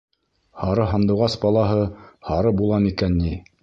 Һары һандуғас балаһы һары була микән ни?